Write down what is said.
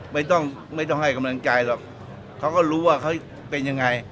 ไม่ต้องไม่ต้องให้กำลังใจหรอกเขาก็รู้ว่าเขาเป็นยังไง